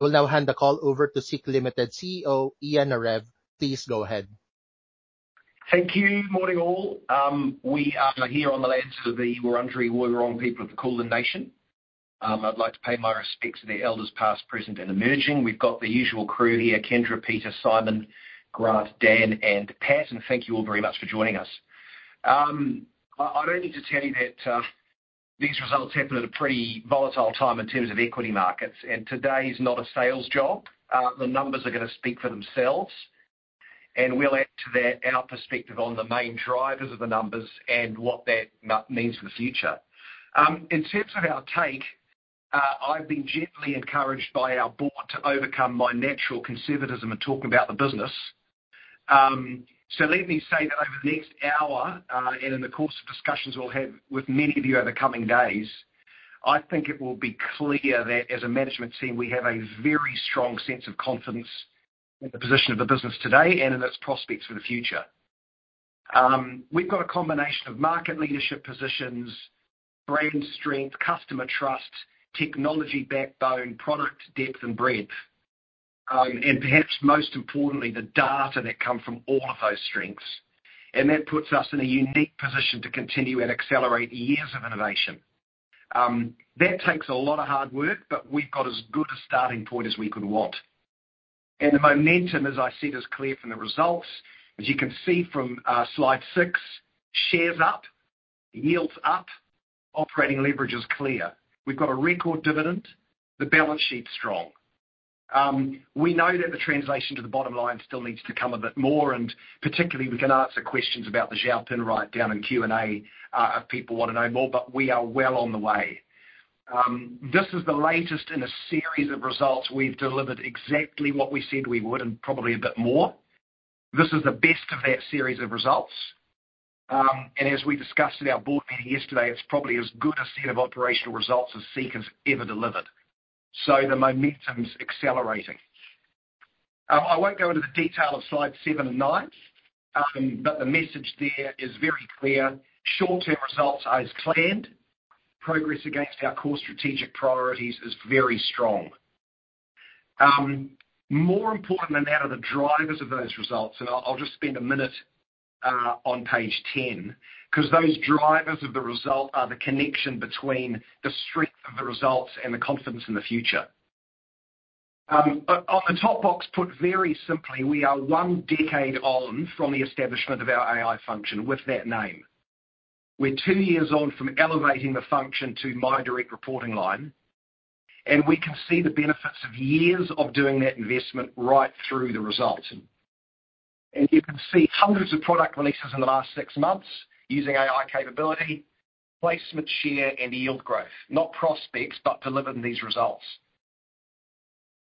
I will now hand the call over to SEEK Limited CEO, Ian Narev. Please go ahead. Thank you. Morning, all. We are here on the lands of the Wurundjeri Woi-wurrung people of the Kulin Nation. I'd like to pay my respects to the elders, past, present, and emerging. We've got the usual crew here, Kendra, Peter, Simon, Grant, Dan, and Pat, and thank you all very much for joining us. I don't need to tell you that these results happened at a pretty volatile time in terms of equity markets, and today is not a sales job. The numbers are gonna speak for themselves, and we'll add to that our perspective on the main drivers of the numbers and what that means for the future. In terms of our take, I've been gently encouraged by our board to overcome my natural conservatism in talking about the business. So let me say that over the next hour, and in the course of discussions we'll have with many of you over the coming days, I think it will be clear that as a management team, we have a very strong sense of confidence in the position of the business today and in its prospects for the future. We've got a combination of market leadership positions, brand strength, customer trust, technology backbone, product depth and breadth, and perhaps most importantly, the data that come from all of those strengths. That puts us in a unique position to continue and accelerate years of innovation. That takes a lot of hard work, but we've got as good a starting point as we could want. The momentum, as I said, is clear from the results. As you can see from slide six, shares up, yields up, operating leverage is clear. We've got a record dividend, the balance sheet's strong. We know that the translation to the bottom line still needs to come a bit more, and particularly, we can answer questions about the Zhaopin write-down in Q&A, if people wanna know more, but we are well on the way. This is the latest in a series of results. We've delivered exactly what we said we would, and probably a bit more. This is the best of that series of results. And as we discussed at our board meeting yesterday, it's probably as good a set of operational results as SEEK has ever delivered. So the momentum's accelerating. I won't go into the detail of slide seven and nine, but the message there is very clear. Short-term results are as planned. Progress against our core strategic priorities is very strong. More important than that are the drivers of those results, and I'll just spend a minute on page 10, 'cause those drivers of the result are the connection between the strength of the results and the confidence in the future. On the top box, put very simply, we are one decade on from the establishment of our AI function with that name. We're two years on from elevating the function to my direct reporting line, and we can see the benefits of years of doing that investment right through the results. You can see hundreds of product releases in the last six months using AI capability, placement share and yield growth, not prospects, but delivered in these results.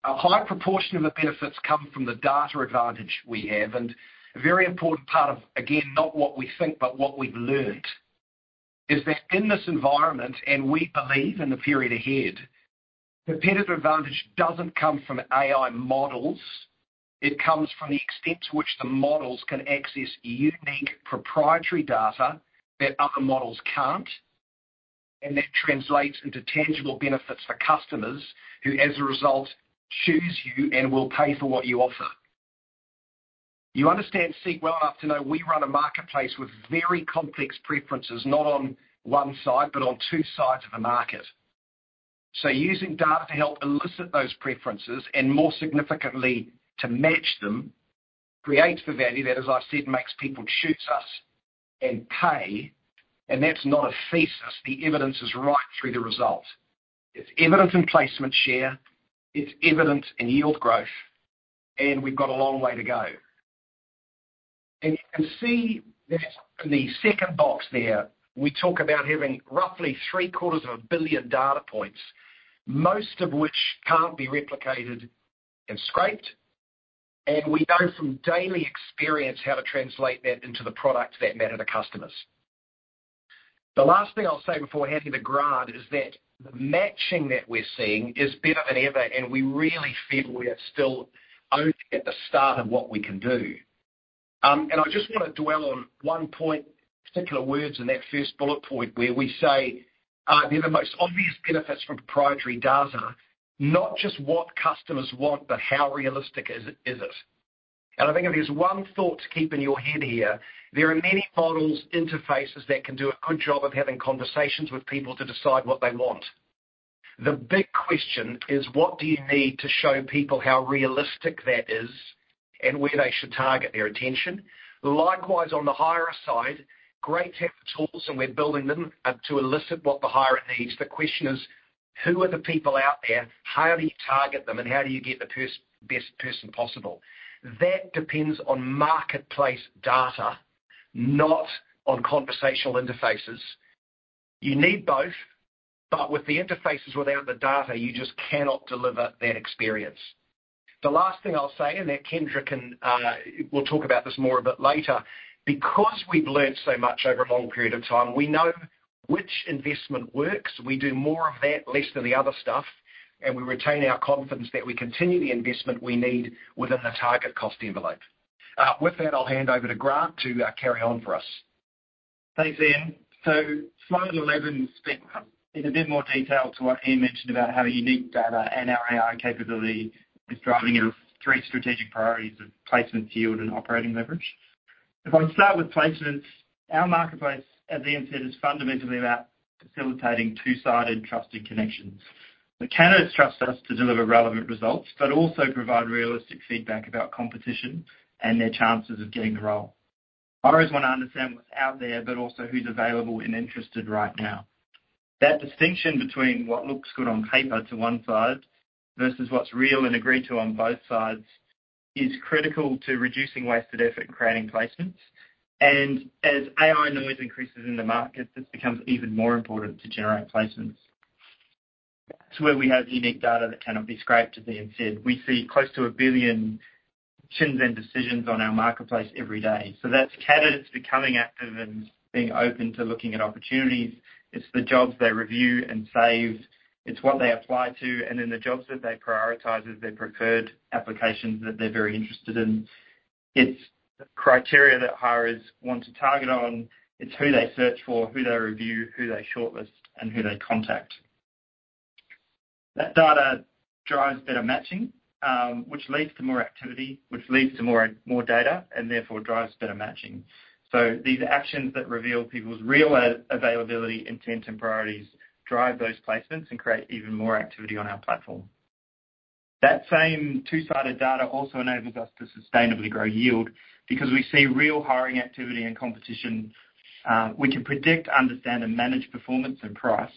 A high proportion of the benefits come from the data advantage we have, and a very important part of, again, not what we think, but what we've learned, is that in this environment, and we believe in the period ahead, competitive advantage doesn't come from AI models, it comes from the extent to which the models can access unique proprietary data that other models can't, and that translates into tangible benefits for customers, who, as a result, choose you and will pay for what you offer. You understand SEEK well enough to know we run a marketplace with very complex preferences, not on one side, but on two sides of the market. So using data to help elicit those preferences, and more significantly, to match them, creates the value that, as I said, makes people choose us and pay, and that's not a thesis. The evidence is right through the result. It's evident in placement share, it's evident in yield growth, and we've got a long way to go. You can see that in the second box there, we talk about having roughly 750 million data points, most of which can't be replicated and scraped. We know from daily experience how to translate that into the products that matter to customers. The last thing I'll say before handing to Grant is that the matching that we're seeing is better than ever, and we really feel we are still only at the start of what we can do. And I just wanna dwell on one point, particular words in that first bullet point, where we say, "The most obvious benefits from proprietary data, not just what customers want, but how realistic is it, is it?" I think if there's one thought to keep in your head here, there are many models, interfaces that can do a good job of having conversations with people to decide what they want. The big question is: What do you need to show people how realistic that is and where they should target their attention? Likewise, on the higher side, great to have the tools, and we're building them, to elicit what the hirer needs. The question is: Who are the people out there? How do you target them, and how do you get the best person possible? That depends on marketplace data, not on conversational interfaces. You need both, but with the interfaces without the data, you just cannot deliver that experience. The last thing I'll say, and that Kendra can, we'll talk about this more a bit later, because we've learned so much over a long period of time, we know which investment works. We do more of that, less than the other stuff, and we retain our confidence that we continue the investment we need within the target cost envelope. With that, I'll hand over to Grant to carry on for us. Thanks, Ian. Slide 11 speaks in a bit more detail to what Ian mentioned about how unique data and our AI capability is driving our three strategic priorities of placement, yield, and operating leverage. If I start with placements, our marketplace, as Ian said, is fundamentally about facilitating two-sided trusted connections. The candidates trust us to deliver relevant results, but also provide realistic feedback about competition and their chances of getting the role. Hirers want to understand what's out there, but also who's available and interested right now. That distinction between what looks good on paper to one side, versus what's real and agreed to on both sides, is critical to reducing wasted effort and creating placements. As AI noise increases in the market, this becomes even more important to generate placements. It's where we have unique data that cannot be scraped, as Ian said. We see close to a billion actions and decisions on our marketplace every day. So that's candidates becoming active and being open to looking at opportunities. It's the jobs they review and save. It's what they apply to, and then the jobs that they prioritize as their preferred applications that they're very interested in. It's the criteria that hirers want to target on. It's who they search for, who they review, who they shortlist, and who they contact. That data drives better matching, which leads to more activity, which leads to more, more data, and therefore drives better matching. So these actions that reveal people's real availability, intent, and priorities, drive those placements and create even more activity on our platform. That same two-sided data also enables us to sustainably grow yield. Because we see real hiring activity and competition, we can predict, understand, and manage performance and price.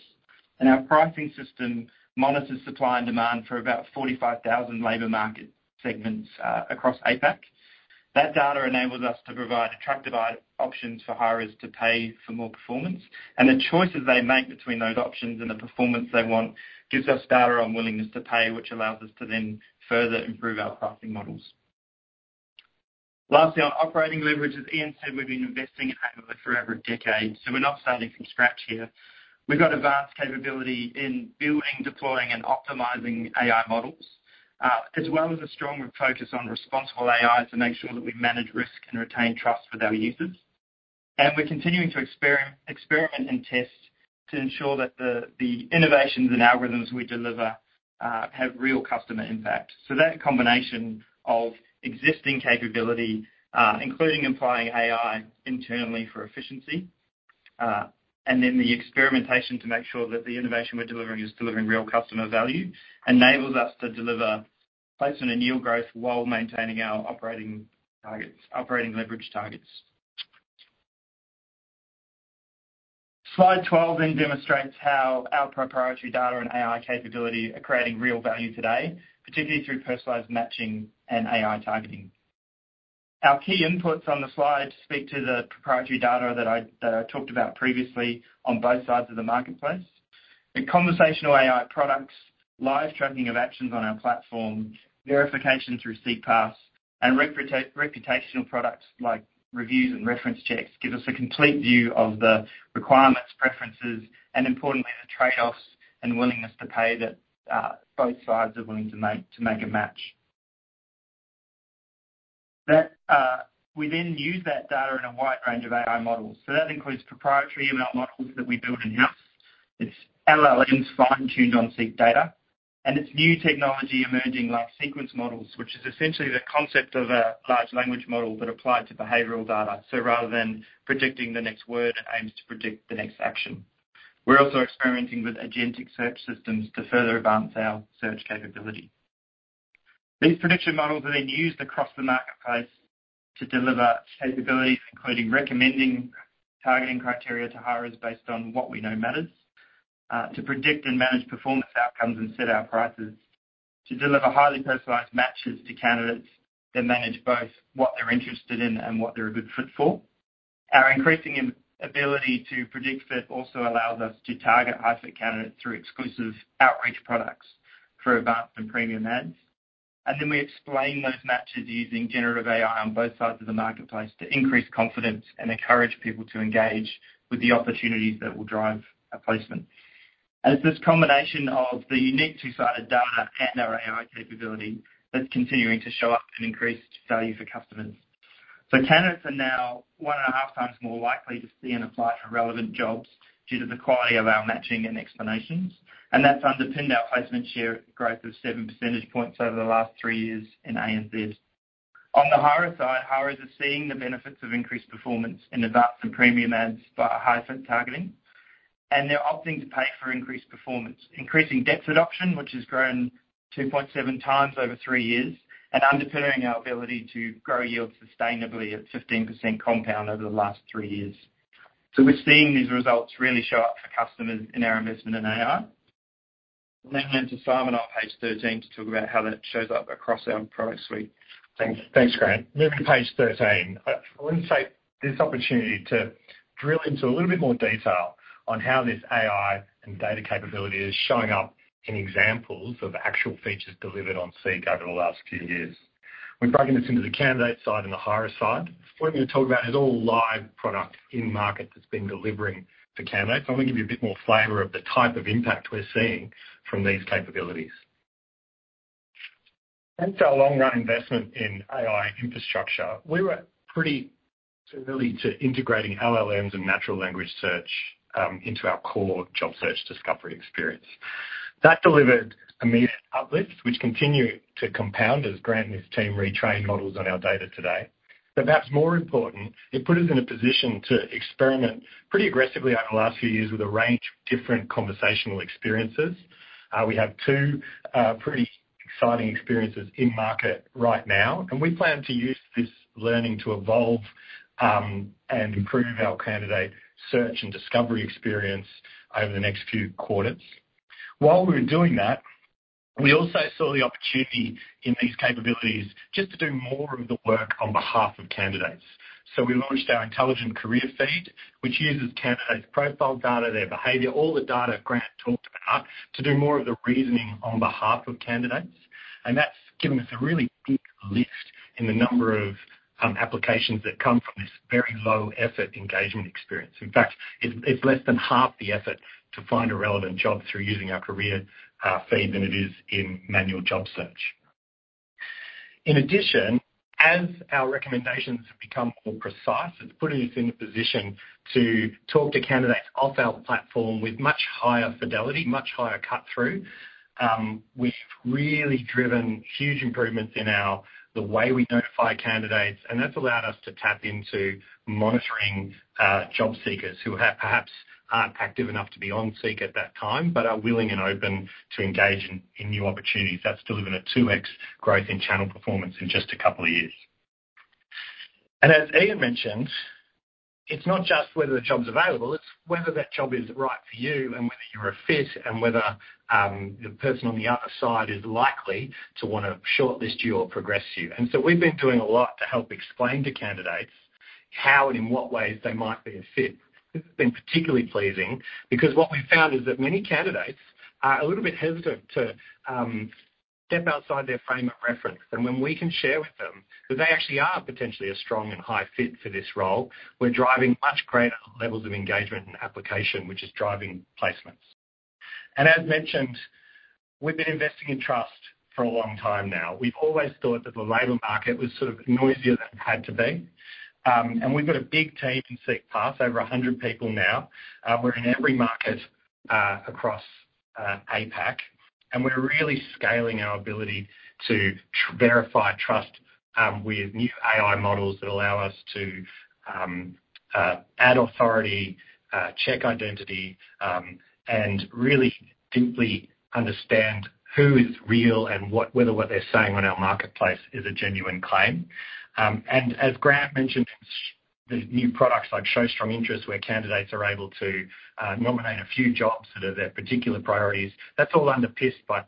Our pricing system monitors supply and demand for about 45,000 labor market segments, across APAC. That data enables us to provide attractive options for hirers to pay for more performance, and the choices they make between those options and the performance they want, gives us data on willingness to pay, which allows us to then further improve our pricing models. Lastly, on operating leverage, as Ian said, we've been investing in AI for over a decade, so we're not starting from scratch here. We've got advanced capability in building, deploying, and optimizing AI models, as well as a strong focus on responsible AI to make sure that we manage risk and retain trust with our users. We're continuing to experiment and test to ensure that the innovations and algorithms we deliver have real customer impact. So that combination of existing capability, including applying AI internally for efficiency, and then the experimentation to make sure that the innovation we're delivering is delivering real customer value, enables us to deliver placement and yield growth while maintaining our operating targets, operating leverage targets. Slide 12 then demonstrates how our proprietary data and AI capability are creating real value today, particularly through personalized matching and AI targeting. Our key inputs on the slide speak to the proprietary data that I talked about previously on both sides of the marketplace. The conversational AI products, live tracking of actions on our platform, verification through SEEK Pass, and reputational products like reviews and reference checks, give us a complete view of the requirements, preferences, and importantly, the trade-offs and willingness to pay that both sides are willing to make to make a match. That. We then use that data in a wide range of AI models. So that includes proprietary ML models that we build in-house. It's LLMs fine-tuned on SEEK data, and it's new technology emerging, like sequence models, which is essentially the concept of a large language model but applied to behavioral data. So rather than predicting the next word, it aims to predict the next action. We're also experimenting with agentic search systems to further advance our search capability. These prediction models are then used across the marketplace to deliver capabilities, including recommending targeting criteria to hirers based on what we know matters to predict and manage performance outcomes and set our prices. To deliver highly personalized matches to candidates that manage both what they're interested in and what they're a good fit for. Our increasing ability to predict fit also allows us to target high-fit candidates through exclusive outreach products for Advanced and Premium ads. And then we explain those matches using generative AI on both sides of the marketplace to increase confidence and encourage people to engage with the opportunities that will drive a placement. As this combination of the unique two-sided data and our AI capability that's continuing to show up and increase value for customers. So candidates are now 1.5 times more likely to see and apply for relevant jobs due to the quality of our matching and explanations. And that's underpinned our placement share growth of seven percentage points over the last three years in ANZ. On the hirer side, hirers are seeing the benefits of increased performance in Advanced and Premium ads by high-fit targeting, and they're opting to pay for increased performance, increasing depth adoption, which has grown 2.7 times over three years, and underpinning our ability to grow yield sustainably at 15% compound over the last three years. So we're seeing these results really show up for customers in our investment in AI. Leading on to Simon on page 13, to talk about how that shows up across our product suite. Thanks. Thanks, Grant. Moving to page 13. I want to take this opportunity to drill into a little bit more detail on how this AI and data capability is showing up in examples of actual features delivered on SEEK over the last few years. We've broken this into the candidate side and the hirer side. What I'm going to talk about is all live product in market that's been delivering to candidates. I want to give you a bit more flavor of the type of impact we're seeing from these capabilities. Thanks to our long-run investment in AI infrastructure, we were pretty early to integrating LLMs and natural language search into our core job search discovery experience. That delivered immediate uplift, which continued to compound as Grant and his team retrained models on our data today. But perhaps more important, it put us in a position to experiment pretty aggressively over the last few years with a range of different conversational experiences. We have two pretty exciting experiences in market right now, and we plan to use this learning to evolve and improve our candidate search and discovery experience over the next few quarters. While we were doing that, we also saw the opportunity in these capabilities just to do more of the work on behalf of candidates. So we launched our intelligent career feed, which uses candidates' profile data, their behavior, all the data Grant talked about, to do more of the reasoning on behalf of candidates. And that's given us a really big lift in the number of applications that come from this very low effort engagement experience. In fact, it's less than half the effort to find a relevant job through using our career feed than it is in manual job search. In addition, as our recommendations have become more precise, it's putting us in a position to talk to candidates off our platform with much higher fidelity, much higher cut-through. We've really driven huge improvements in the way we notify candidates, and that's allowed us to tap into monitoring job seekers who have perhaps aren't active enough to be on SEEK at that time, but are willing and open to engage in new opportunities. That's delivered a 2x growth in channel performance in just a couple of years. As Ian mentioned, it's not just whether the job's available, it's whether that job is right for you and whether you're a fit, and whether the person on the other side is likely to wanna shortlist you or progress you. So we've been doing a lot to help explain to candidates how and in what ways they might be a fit. This has been particularly pleasing because what we've found is that many candidates are a little bit hesitant to step outside their frame of reference. And when we can share with them that they actually are potentially a strong and high fit for this role, we're driving much greater levels of engagement and application, which is driving placements. And as mentioned, we've been investing in trust for a long time now. We've always thought that the labor market was sort of noisier than it had to be. We've got a big team in SEEK Pass, over 100 people now. We're in every market across APAC, and we're really scaling our ability to verify trust with new AI models that allow us to add authority, check identity, and really deeply understand who is real and what, whether what they're saying on our marketplace is a genuine claim. And as Grant mentioned, the new products like Show Strong Interest, where candidates are able to nominate a few jobs that are their particular priorities, that's all underpinned by...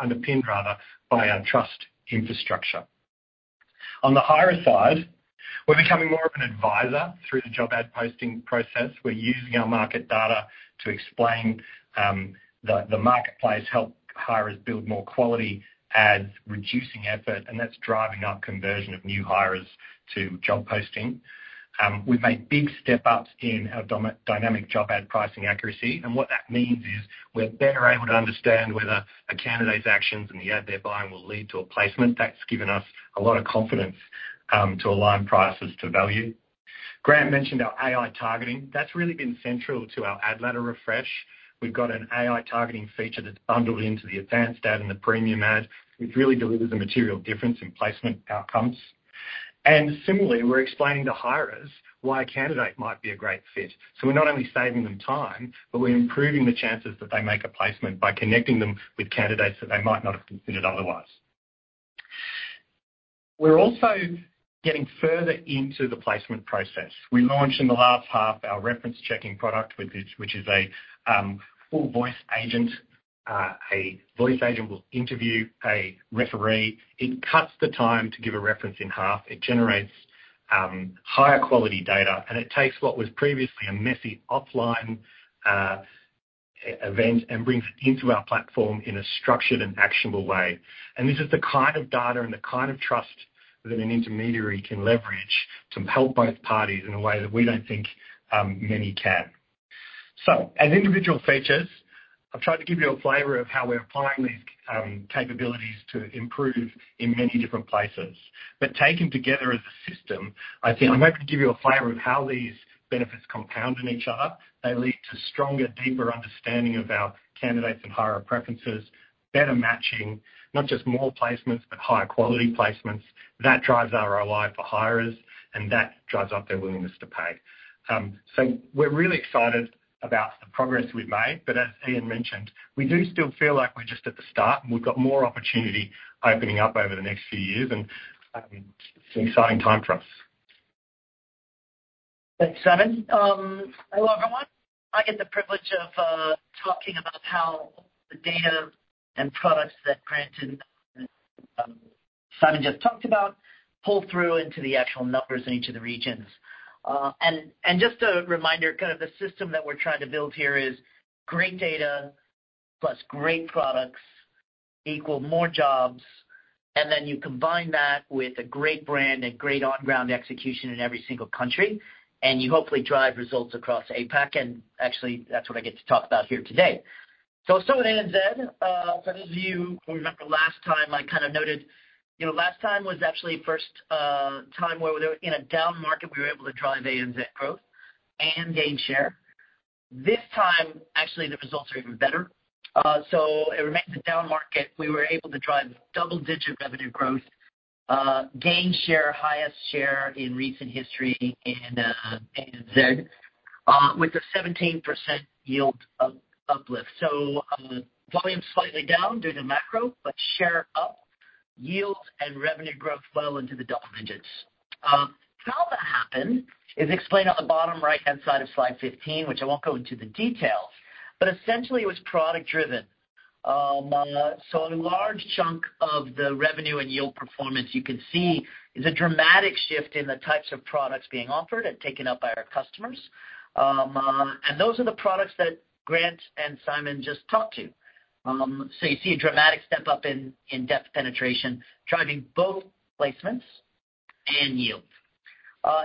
Underpinned, rather, by our trust infrastructure. On the hire side, we're becoming more of an advisor through the job ad posting process. We're using our market data to explain the marketplace, help hirers build more quality ads, reducing effort, and that's driving up conversion of new hirers to job posting. We've made big step ups in our dynamic job ad pricing accuracy. And what that means is we're better able to understand whether a candidate's actions and the ad they're buying will lead to a placement. That's given us a lot of confidence to align prices to value. Grant mentioned our AI targeting. That's really been central to our ad ladder refresh. We've got an AI targeting feature that's bundled into the Advanced Ad and the Premium Ad, which really delivers a material difference in placement outcomes. And similarly, we're explaining to hirers why a candidate might be a great fit. So we're not only saving them time, but we're improving the chances that they make a placement by connecting them with candidates that they might not have considered otherwise. We're also getting further into the placement process. We launched in the last half our reference checking product, which is a full voice agent. A voice agent will interview a referee. It cuts the time to give a reference in half, it generates higher quality data, and it takes what was previously a messy offline event and brings it into our platform in a structured and actionable way. And this is the kind of data and the kind of trust that an intermediary can leverage to help both parties in a way that we don't think many can. So as individual features, I've tried to give you a flavor of how we're applying these, capabilities to improve in many different places. But taken together as a system, I think I'm hoping to give you a flavor of how these benefits compound on each other. They lead to stronger, deeper understanding of our candidates and hirer preferences, better matching, not just more placements, but higher quality placements. That drives our ROI for hirers, and that drives up their willingness to pay. So we're really excited about the progress we've made. But as Ian mentioned, we do still feel like we're just at the start, and we've got more opportunity opening up over the next few years, and, it's an exciting time for us. Thanks, Simon. Hello, everyone! I get the privilege of talking about how the data and products that Grant and Simon just talked about pull through into the actual numbers in each of the regions. And just a reminder, kind of the system that we're trying to build here is great data plus great products equal more jobs, and then you combine that with a great brand and great on-ground execution in every single country, and you hopefully drive results across APAC. Actually, that's what I get to talk about here today... So I'll start with ANZ. For those of you who remember last time, I kind of noted, you know, last time was actually the first time where we were in a down market, we were able to drive ANZ growth and gain share. This time, actually, the results are even better. So it remains a down market. We were able to drive double-digit revenue growth, gain share, highest share in recent history in ANZ, with a 17% yield uplift. So, volume slightly down due to macro, but share up, yield and revenue growth well into the double digits. How that happened is explained on the bottom right-hand side of slide 15, which I won't go into the details, but essentially it was product driven. So a large chunk of the revenue and yield performance you can see is a dramatic shift in the types of products being offered and taken up by our customers. And those are the products that Grant and Simon just talked to. So you see a dramatic step up in depth penetration, driving both placements and yield.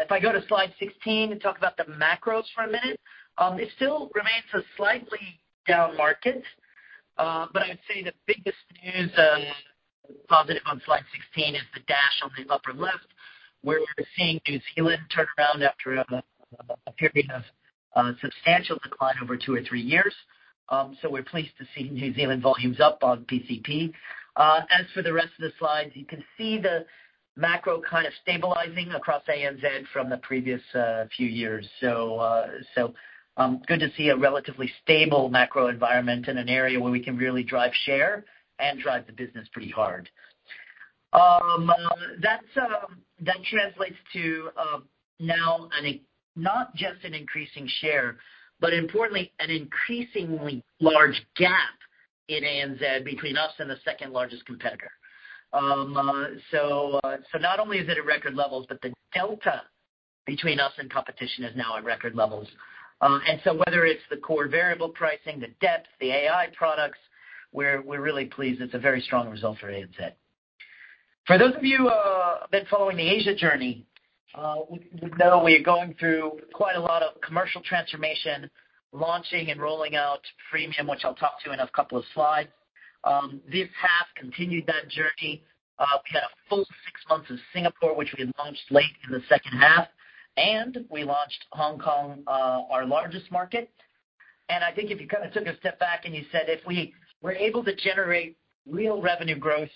If I go to slide 16 and talk about the macros for a minute, it still remains a slightly down market, but I would say the biggest news, positive on slide 16 is the dash on the upper left, where we're seeing New Zealand turn around after a period of substantial decline over two or three years. So we're pleased to see New Zealand volumes up on PCP. As for the rest of the slides, you can see the macro kind of stabilizing across ANZ from the previous few years. So, good to see a relatively stable macro environment in an area where we can really drive share and drive the business pretty hard. That's, that translates to, now not just an increasing share, but importantly, an increasingly large gap in ANZ between us and the second-largest competitor. So, so not only is it at record levels, but the delta between us and competition is now at record levels. And so whether it's the core variable pricing, the depth, the AI products, we're, we're really pleased. It's a very strong result for ANZ. For those of you been following the Asia journey, would, would know we are going through quite a lot of commercial transformation, launching and rolling out freemium, which I'll talk to in a couple of slides. This half continued that journey. We had a full six months of Singapore, which we had launched late in the second half, and we launched Hong Kong, our largest market. And I think if you kind of took a step back and you said, if we were able to generate real revenue growth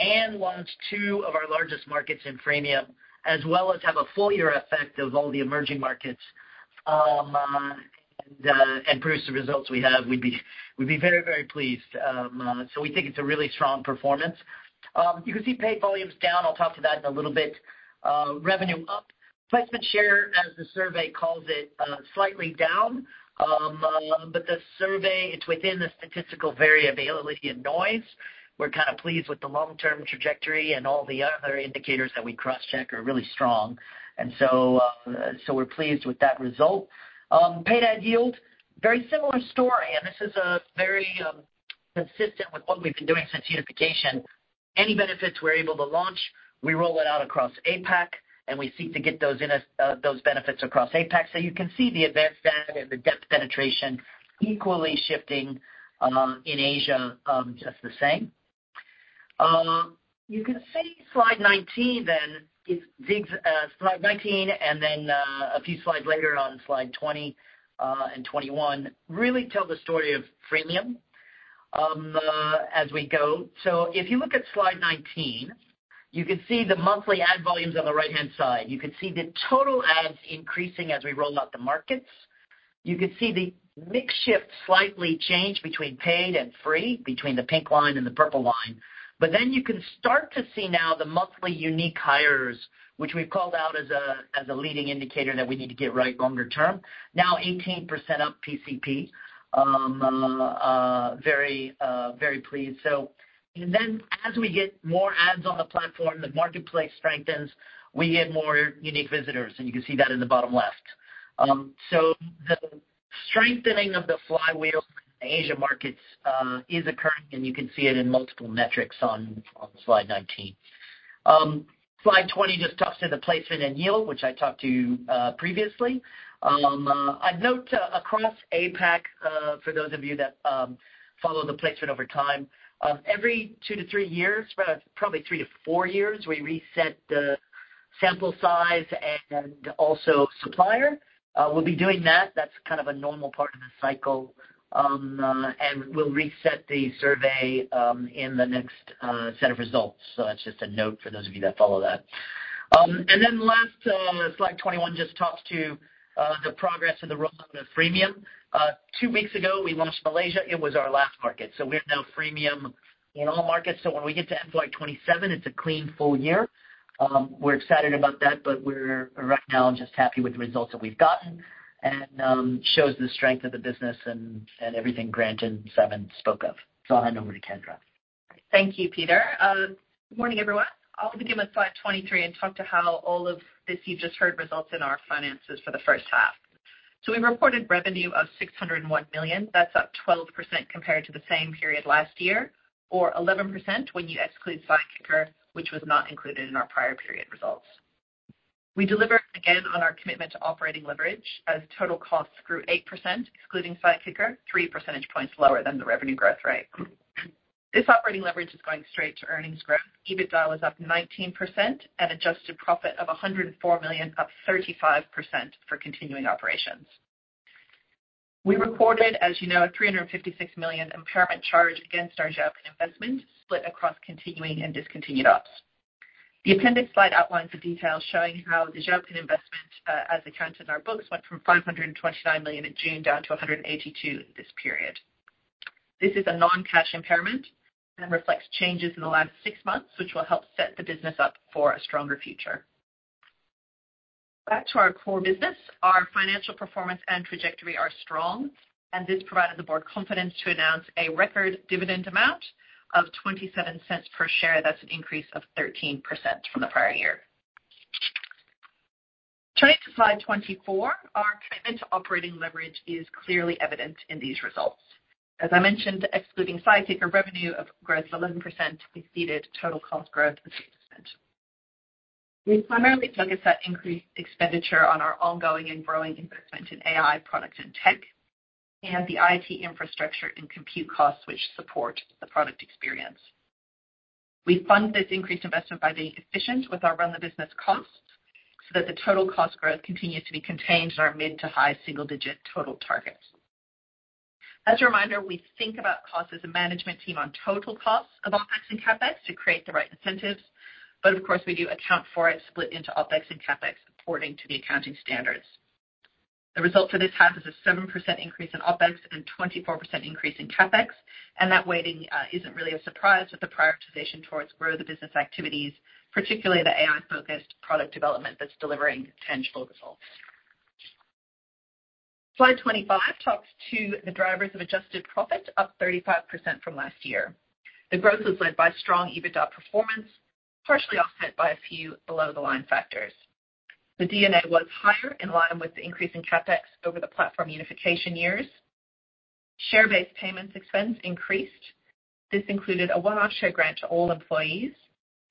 and launch two of our largest markets in Freemium, as well as have a full year effect of all the emerging markets, and produce the results we have, we'd be, we'd be very, very pleased. So we think it's a really strong performance. You can see paid volume's down. I'll talk to that in a little bit. Revenue up. Placement Share, as the survey calls it, slightly down. But the survey, it's within the statistical variability and noise. We're kind of pleased with the long-term trajectory, and all the other indicators that we cross-check are really strong. And so, so we're pleased with that result. Paid ad yield, very similar story, and this is very consistent with what we've been doing since unification. Any benefits we're able to launch, we roll it out across APAC, and we seek to get those in as those benefits across APAC. So you can see the Advanced and the Depth penetration equally shifting in Asia, just the same. You can see slide 19 then, it digs... slide 19, and then a few slides later on slide 20 and 21, really tell the story of Freemium as we go. So if you look at slide 19, you can see the monthly ad volumes on the right-hand side. You can see the total ads increasing as we roll out the markets. You can see the mix shift slightly change between paid and free, between the pink line and the purple line. But then you can start to see now the monthly unique hires, which we've called out as a leading indicator that we need to get right longer term. Now 18% up PCP. Very pleased. So and then, as we get more ads on the platform, the marketplace strengthens, we get more unique visitors, and you can see that in the bottom left. So the strengthening of the flywheel Asia markets is occurring, and you can see it in multiple metrics on slide 19. Slide 20 just talks to the placement and yield, which I talked to previously. I'd note across APAC for those of you that follow the placement over time, every 2-3 years, probably 3-4 years, we reset the sample size and also supplier. We'll be doing that. That's kind of a normal part of the cycle. And we'll reset the survey in the next set of results. So that's just a note for those of you that follow that. And then last, slide 21 just talks to the progress of the roll of the freemium. Two weeks ago, we launched Malaysia. It was our last market, so we have now freemium in all markets. So when we get to the end of slide 27, it's a clean, full year. We're excited about that, but we're right now just happy with the results that we've gotten and shows the strength of the business and everything Grant and Simon spoke of. So I'll hand over to Kendra. Thank you, Peter. Good morning, everyone. I'll begin with slide 23 and talk to how all of this you just heard results in our finances for the first half. So we reported revenue of 601 million. That's up 12% compared to the same period last year, or 11% when you exclude Sidekicker, which was not included in our prior period results. We delivered again on our commitment to operating leverage, as total costs grew 8%, excluding Sidekicker, three percentage points lower than the revenue growth rate. This operating leverage is going straight to earnings growth. EBITDA was up 19% and adjusted profit of 104 million, up 35% for continuing operations. We recorded, as you know, a 356 million impairment charge against our Zhaopin investment, split across continuing and discontinued ops. The appendix slide outlines the details, showing how the Zhaopin investment, as accounted in our books, went from 529 million in June down to 182 million this period. This is a non-cash impairment and reflects changes in the last six months, which will help set the business up for a stronger future. Back to our core business, our financial performance and trajectory are strong, and this provided the board confidence to announce a record dividend amount of 0.27 per share. That's an increase of 13% from the prior year. Turning to slide 24, our commitment to operating leverage is clearly evident in these results. As I mentioned, excluding Sidekicker, revenue of growth of 11% exceeded total cost growth of 6%. We primarily focus that increased expenditure on our ongoing and growing investment in AI products and tech, and the IT infrastructure and compute costs, which support the product experience. We fund this increased investment by being efficient with our run the business costs, so that the total cost growth continues to be contained in our mid- to high-single-digit total target. As a reminder, we think about costs as a management team on total costs of OpEx and CapEx to create the right incentives, but of course, we do account for it split into OpEx and CapEx, according to the accounting standards. The result for this half is a 7% increase in OpEx and 24% increase in CapEx, and that weighting isn't really a surprise with the prioritization towards grow the business activities, particularly the AI-focused product development that's delivering tangible results. Slide 25 talks to the drivers of adjusted profit, up 35% from last year. The growth was led by strong EBITDA performance, partially offset by a few below the line factors. The D&A was higher, in line with the increase in CapEx over the platform unification years. Share-based payments expense increased. This included a one-off share grant to all employees,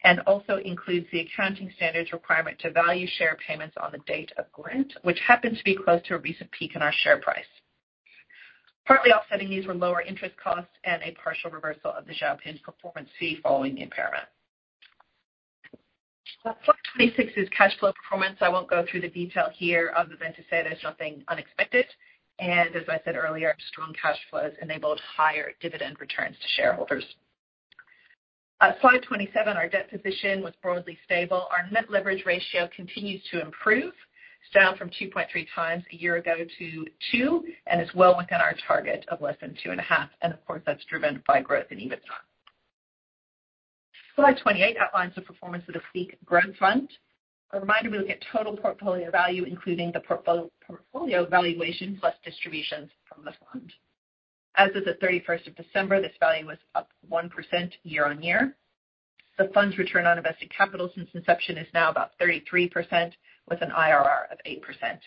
and also includes the accounting standards requirement to value share payments on the date of grant, which happened to be close to a recent peak in our share price. Partly offsetting these were lower interest costs and a partial reversal of the Zhaopin's performance fee following the impairment. Slide 26 is cash flow performance. I won't go through the detail here, other than to say there's nothing unexpected, and as I said earlier, strong cash flows enabled higher dividend returns to shareholders. At slide 27, our debt position was broadly stable. Our net leverage ratio continues to improve. It's down from 2.3 times a year ago to two, and is well within our target of less than 2.5, and of course, that's driven by growth in EBITDA. Slide 28 outlines the performance of the SEEK Growth Fund. A reminder, we look at total portfolio value, including the portfolio valuation plus distributions from the fund. As of the 31st of December, this value was up 1% year on year. The fund's return on invested capital since inception is now about 33%, with an IRR of 8%.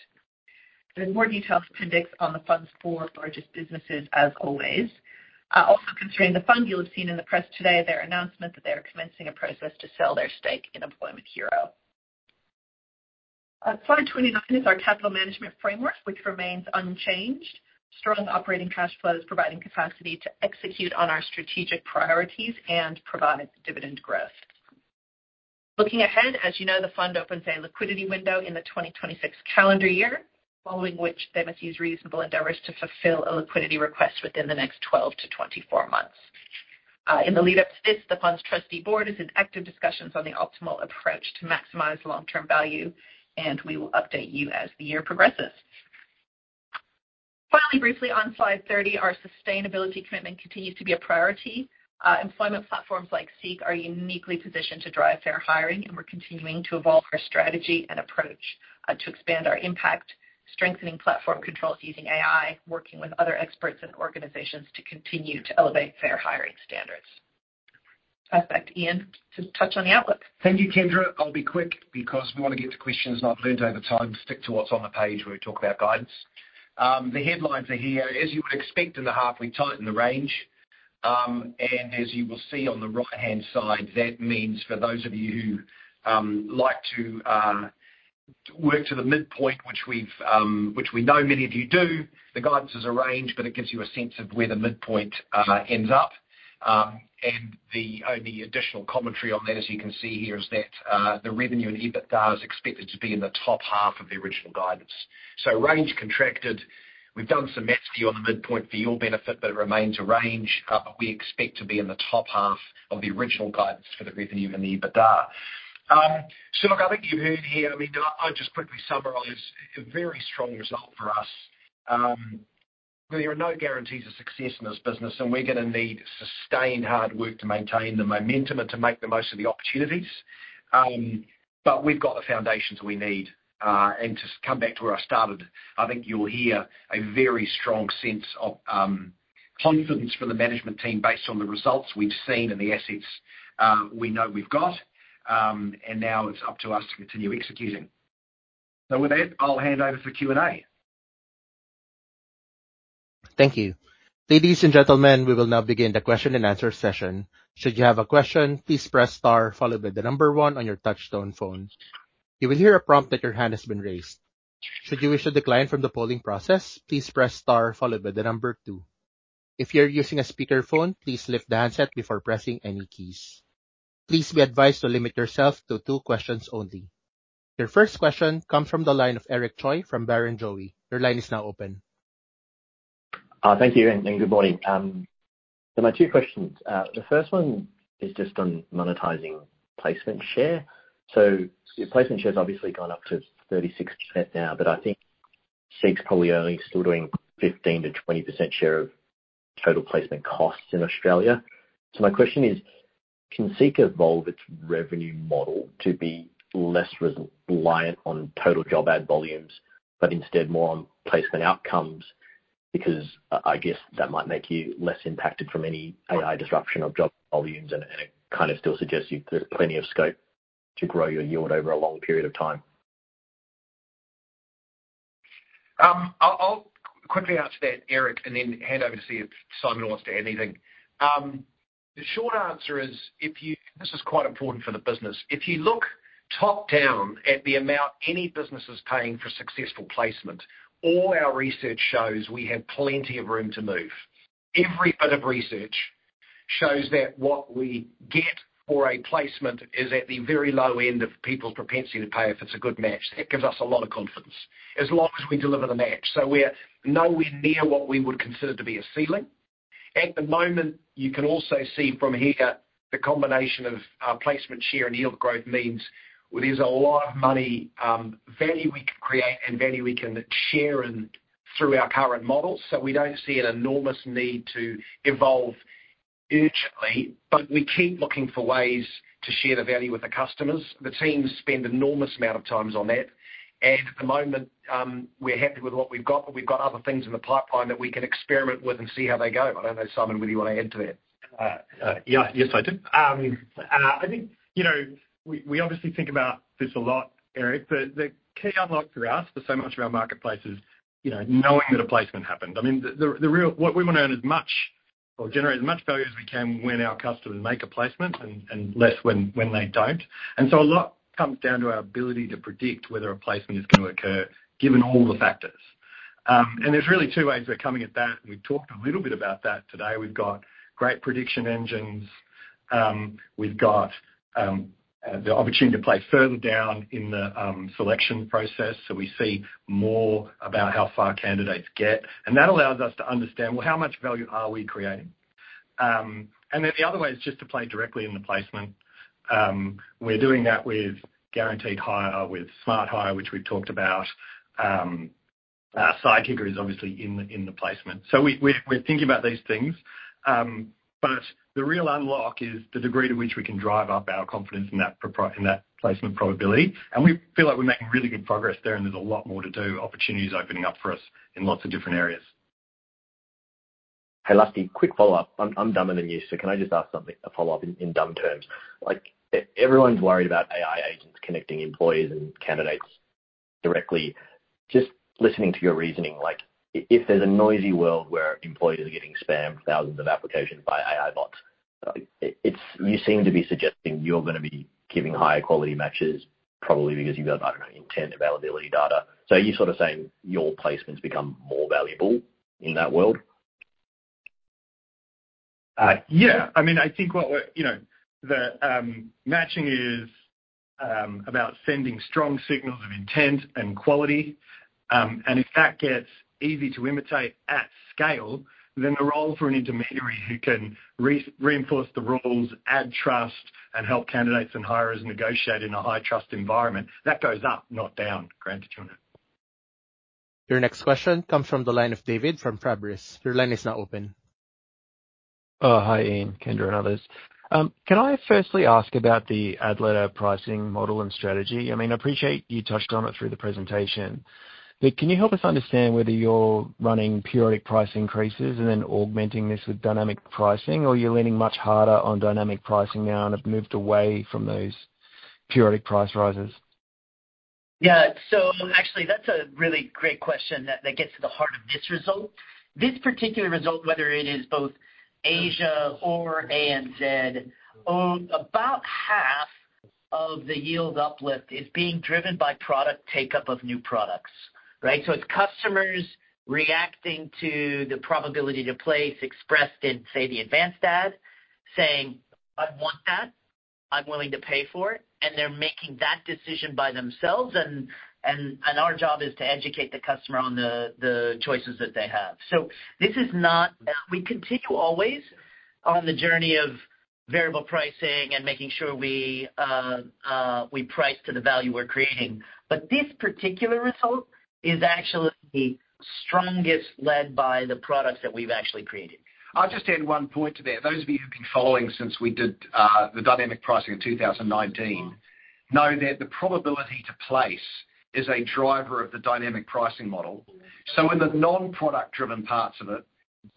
There's more details in the appendix on the fund's four largest businesses, as always. Also concerning the fund, you'll have seen in the press today their announcement that they are commencing a process to sell their stake in Employment Hero. At slide 29 is our capital management framework, which remains unchanged. Strong operating cash flows, providing capacity to execute on our strategic priorities and provide dividend growth. Looking ahead, as you know, the fund opens a liquidity window in the 2026 calendar year, following which they must use reasonable endeavors to fulfill a liquidity request within the next 12-24 months. In the lead up to this, the fund's trustee board is in active discussions on the optimal approach to maximize long-term value, and we will update you as the year progresses. Finally, briefly, on slide 30, our sustainability commitment continues to be a priority. Employment platforms like SEEK are uniquely positioned to drive fair hiring, and we're continuing to evolve our strategy and approach, to expand our impact, strengthening platform controls using AI, working with other experts and organizations to continue to elevate fair hiring standards. I'll pass back to Ian to touch on the outlook. Thank you, Kendra. I'll be quick because we want to get to questions, and I've learned over time to stick to what's on the page when we talk about guidance. The headlines are here. As you would expect in the half, we tightened the range, and as you will see on the right-hand side, that means for those of you who like to work to the midpoint, which we know many of you do, the guidance is a range, but it gives you a sense of where the midpoint ends up. And the only additional commentary on that, as you can see here, is that the revenue and EBITDA is expected to be in the top half of the original guidance. So range contracted. We've done some math for you on the midpoint for your benefit, but it remains a range. We expect to be in the top half of the original guidance for the revenue and the EBITDA. So look, I think you heard here, I mean, I'll just quickly summarize, a very strong result for us. There are no guarantees of success in this business, and we're going to need sustained hard work to maintain the momentum and to make the most of the opportunities. But we've got the foundations we need. And to come back to where I started, I think you'll hear a very strong sense of confidence from the management team based on the results we've seen and the assets we know we've got, and now it's up to us to continue executing. So with that, I'll hand over for Q&A. Thank you. Ladies and gentlemen, we will now begin the question and answer session. Should you have a question, please press star followed by the number one on your touchtone phone. You will hear a prompt that your hand has been raised. Should you wish to decline from the polling process, please press star followed by the number two. If you're using a speakerphone, please lift the handset before pressing any keys. Please be advised to limit yourself to two questions only. Your first question comes from the line of Eric Choi from Barrenjoey. Your line is now open. Thank you, and good morning. There are my two questions. The first one is just on monetizing placement share. So your placement share has obviously gone up to 36% now, but I think SEEK's probably only still doing 15%-20% share of total placement costs in Australia. So my question is, can SEEK evolve its revenue model to be less reliant on total job ad volumes, but instead more on placement outcomes? Because I guess that might make you less impacted from any AI disruption of job volumes, and it kind of still suggests you've plenty of scope to grow your yield over a long period of time. I'll quickly answer that, Eric, and then hand over to see if Simon wants to add anything. The short answer is, if you... This is quite important for the business. If you look top-down at the amount any business is paying for successful placement, all our research shows we have plenty of room to move. Every bit of research shows that what we get for a placement is at the very low end of people's propensity to pay, if it's a good match. That gives us a lot of confidence, as long as we deliver the match. So we're nowhere near what we would consider to be a ceiling. At the moment, you can also see from here, the combination of placement share and yield growth means there's a lot of money value we can create and value we can share in through our current models. So we don't see an enormous need to evolve urgently, but we keep looking for ways to share the value with the customers. The teams spend enormous amount of times on that, and at the moment, we're happy with what we've got, but we've got other things in the pipeline that we can experiment with and see how they go. I don't know, Simon, whether you want to add to that. Yeah. Yes, I do. I think, you know, we obviously think about this a lot, Eric, but the key unlock for us, for so much of our marketplace is, you know, knowing that a placement happened. I mean, what we want to earn as much or generate as much value as we can when our customers make a placement, and less when they don't. And so a lot comes down to our ability to predict whether a placement is going to occur, given all the factors. And there's really two ways we're coming at that, and we've talked a little bit about that today. We've got great prediction engines. We've got the opportunity to play further down in the selection process, so we see more about how far candidates get, and that allows us to understand, well, how much value are we creating? And then the other way is just to play directly in the placement. We're doing that with Guaranteed Hire, with Smart Hire, which we've talked about. Sidekicker is obviously in the placement. So we're thinking about these things. But the real unlock is the degree to which we can drive up our confidence in that placement probability, and we feel like we're making really good progress there, and there's a lot more to do. Opportunities opening up for us in lots of different areas. Hey, lastly, quick follow-up. I'm dumber than you, so can I just ask something, a follow-up in dumb terms? Like, everyone's worried about AI agents connecting employees and candidates directly. Just listening to your reasoning, like, if there's a noisy world where employees are getting spammed thousands of applications by AI bots, it's you seem to be suggesting you're gonna be giving higher quality matches, probably because you've got, I don't know, intent, availability data. So are you sort of saying your placements become more valuable in that world? Yeah. I mean, I think what we're... You know, the matching is about sending strong signals of intent and quality. And if that gets easy to imitate at scale, then the role for an intermediary who can reinforce the rules, add trust, and help candidates and hirers negotiate in a high trust environment, that goes up, not down, granted to it. Your next question comes from the line of David from Fabris. Your line is now open. Hi, Ian, Kendra, and others. Can I firstly ask about the ad-level pricing model and strategy? I mean, I appreciate you touched on it through the presentation, but can you help us understand whether you're running periodic price increases and then augmenting this with dynamic pricing, or you're leaning much harder on dynamic pricing now and have moved away from those periodic price rises? Yeah. So actually, that's a really great question that gets to the heart of this result. This particular result, whether it is both Asia or ANZ, about half of the yield uplift is being driven by product take-up of new products, right? So it's customers reacting to the probability to place expressed in, say, the Advanced Ad, saying, "I want that. I'm willing to pay for it." And they're making that decision by themselves, and our job is to educate the customer on the choices that they have. So this is not... We continue always on the journey of variable pricing and making sure we price to the value we're creating, but this particular result is actually the strongest led by the products that we've actually created. I'll just add one point to that. Those of you who've been following since we did the dynamic pricing in 2019 know that the probability to place is a driver of the dynamic pricing model. So in the non-product driven parts of it,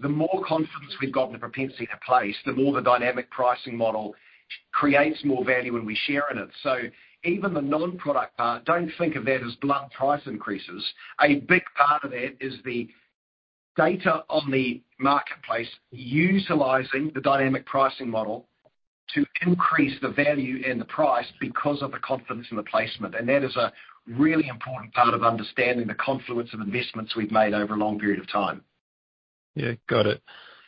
the more confidence we've got in the propensity to place, the more the dynamic pricing model creates more value when we share in it. So even the non-product part, don't think of that as blunt price increases. A big part of it is the data on the marketplace, utilizing the dynamic pricing model to increase the value and the price because of the confidence in the placement, and that is a really important part of understanding the confluence of investments we've made over a long period of time. Yeah, got it.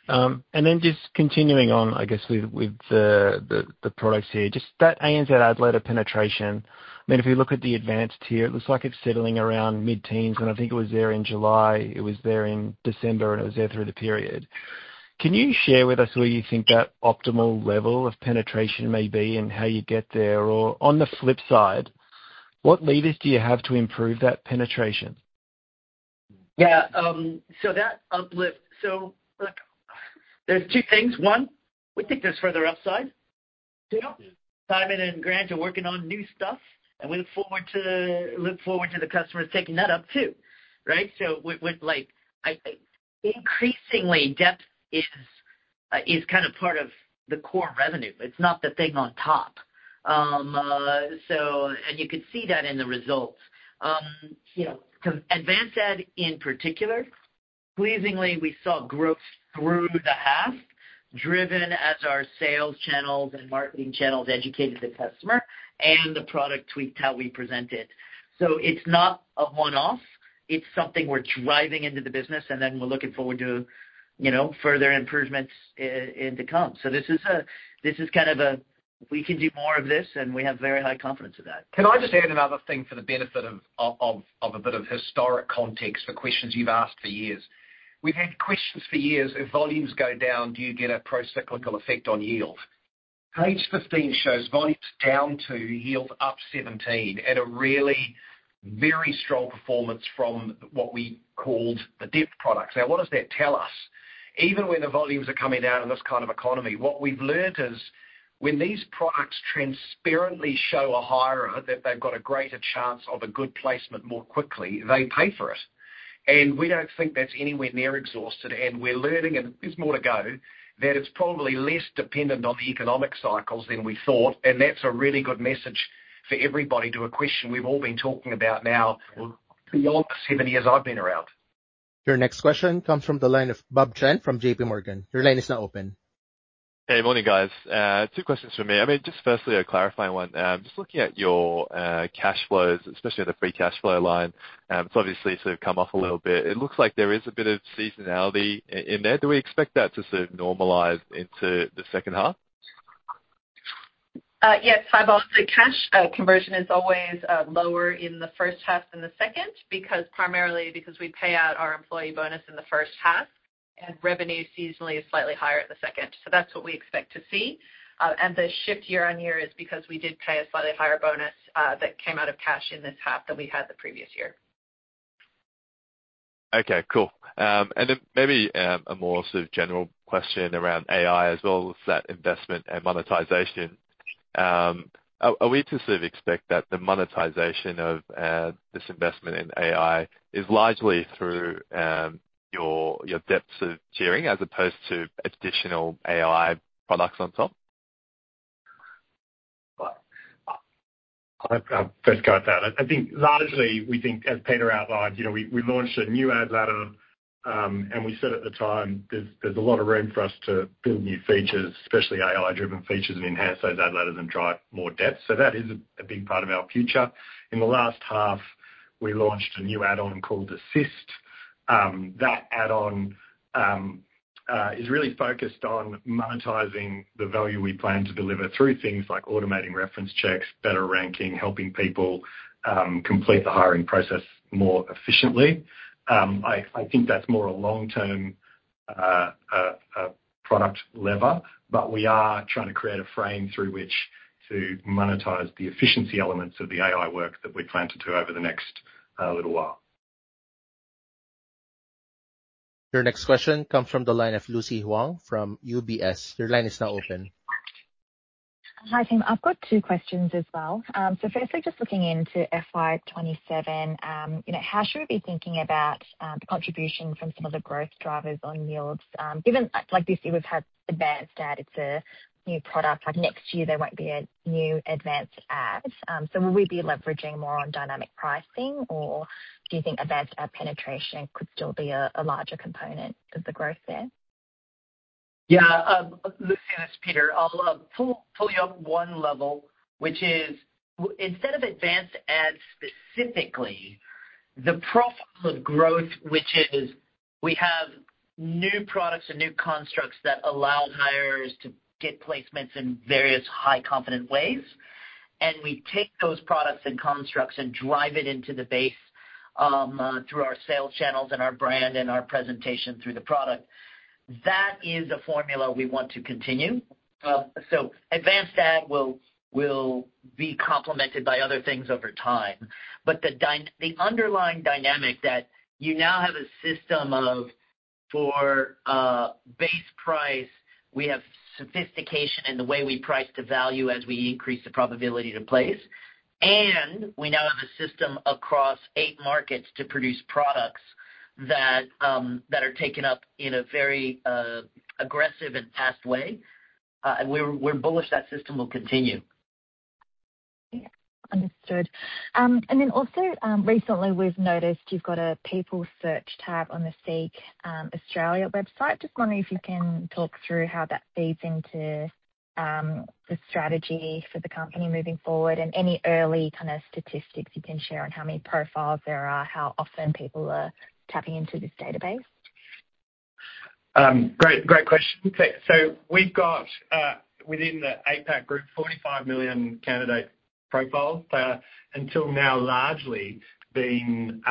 And then just continuing on, I guess, with the products here, just that ANZ ad-led penetration. I mean, if you look at the advanced tier, it looks like it's settling around mid-teens, and I think it was there in July, it was there in December, and it was there through the period. Can you share with us where you think that optimal level of penetration may be and how you get there? Or on the flip side, what levers do you have to improve that penetration? Yeah, so that uplift. So look, there's two things. One, we think there's further upside. Two, Simon and Grant are working on new stuff, and we look forward to, look forward to the customers taking that up, too, right? So with, with, like, increasingly, depth is kind of part of the core revenue. It's not the thing on top. So And you could see that in the results. You know, to advance that, in particular, pleasingly, we saw growth through the half, driven as our sales channels and marketing channels educated the customer and the product tweaked how we present it. So it's not a one-off, it's something we're driving into the business, and then we're looking forward to, you know, further improvements i- in the come. So this is kind of a, we can do more of this, and we have very high confidence of that. Can I just add another thing for the benefit of a bit of historic context for questions you've asked for years? We've had questions for years: If volumes go down, do you get a procyclical effect on yield? Page 15 shows volumes down to yield up 17% at a really very strong performance from what we called the depth products. Now, what does that tell us? Even when the volumes are coming down in this kind of economy, what we've learned is, when these products transparently show a hire, that they've got a greater chance of a good placement more quickly, they pay for it. We don't think that's anywhere near exhausted, and we're learning, and there's more to go, that it's probably less dependent on the economic cycles than we thought, and that's a really good message for everybody to a question we've all been talking about now beyond the seven years I've been around. Your next question comes from the line of Bob Chen from JPMorgan. Your line is now open. Hey, morning, guys. Two questions from me. I mean, just firstly, a clarifying one. Just looking at your cash flows, especially at the free cash flow line, it's obviously sort of come off a little bit. It looks like there is a bit of seasonality in there. Do we expect that to sort of normalize into the second half? Yes, hi, Bob. The cash conversion is always lower in the first half than the second, because primarily because we pay out our employee bonus in the first half, and revenue seasonally is slightly higher in the second. So that's what we expect to see. And the shift year-on-year is because we did pay a slightly higher bonus that came out of cash in this half than we had the previous year. Okay, cool. And then maybe a more sort of general question around AI as well as that investment and monetization. Are we to sort of expect that the monetization of this investment in AI is largely through your depth of tiering as opposed to additional AI products on top? I'll first go with that. I think largely, we think, as Peter outlined, you know, we launched a new ad ladder, and we said at the time, there's a lot of room for us to build new features, especially AI-driven features, and enhance those ad ladders and drive more depth. So that is a big part of our future. In the last half, we launched a new add-on called Assist. That add-on is really focused on monetizing the value we plan to deliver through things like automating reference checks, better ranking, helping people complete the hiring process more efficiently.I think that's more a long-term product lever, but we are trying to create a frame through which to monetize the efficiency elements of the AI work that we plan to do over the next little while. Your next question comes from the line of Lucy Huang from UBS. Your line is now open. Hi, team. I've got two questions as well. So firstly, just looking into FY 2027, you know, how should we be thinking about the contribution from some of the growth drivers on yields? Given, like, this year, we've had Advanced Ad, it's a new product. Like, next year, there won't be a new Advanced Ad. So will we be leveraging more on dynamic pricing, or do you think Advanced Ad penetration could still be a larger component of the growth there? Yeah, Lucy, this is Peter. I'll pull you up one level, which is instead of advanced ads, specifically, the profile of growth, which is we have new products and new constructs that allow hirers to get placements in various high confident ways, and we take those products and constructs and drive it into the base, through our sales channels and our brand and our presentation through the product. That is a formula we want to continue. So advanced ad will be complemented by other things over time. But the underlying dynamic that you now have a system of for base price, we have sophistication in the way we price the value as we increase the probability to place. And we now have a system across eight markets to produce products that are taken up in a very aggressive and fast way. And we're bullish that system will continue. Yeah, understood. And then also, recently we've noticed you've got a people search tab on the SEEK Australia website. Just wondering if you can talk through how that feeds into the strategy for the company moving forward, and any early kind of statistics you can share on how many profiles there are, how often people are tapping into this database? Great, great question. Okay, so we've got, within the APAC group, 45 million candidate profiles, until now, largely been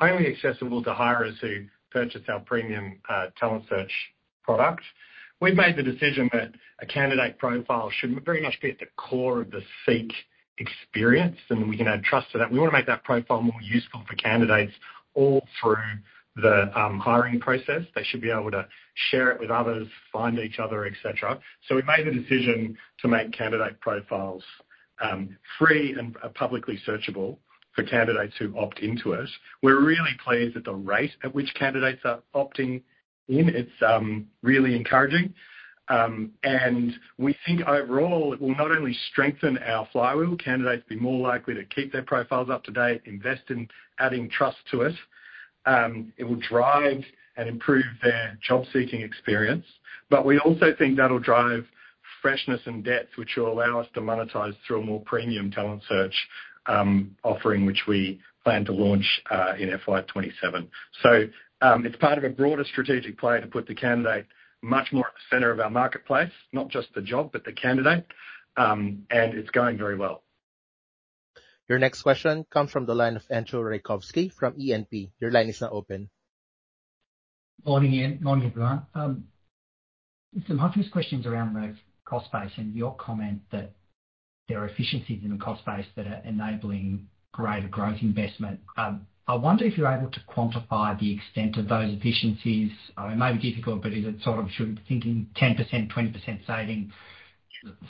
only accessible to hirers who purchase our Premium Talent Search product. We've made the decision that a candidate profile should very much be at the core of the SEEK experience, and we can add trust to that. We wanna make that profile more useful for candidates all through the hiring process. They should be able to share it with others, find each other, et cetera. So we made the decision to make candidate profiles free and publicly searchable for candidates who opt into it. We're really pleased at the rate at which candidates are opting in. It's really encouraging. And we think overall, it will not only strengthen our flywheel, candidates be more likely to keep their profiles up to date, invest in adding trust to it, it will drive and improve their job-seeking experience. But we also think that'll drive freshness and depth, which will allow us to monetize through a more Premium Talent Search offering, which we plan to launch in FY 2027. It's part of a broader strategic play to put the candidate much more at the center of our marketplace, not just the job, but the candidate. And it's going very well. Your next question comes from the line of Entcho Raykovski from E&P. Your line is now open. Morning, Ian. Morning, everyone. Some obvious questions around the cost base and your comment that there are efficiencies in the cost base that are enabling greater growth investment. I wonder if you're able to quantify the extent of those efficiencies. I mean, it may be difficult, but is it sort of should be thinking 10%, 20% saving,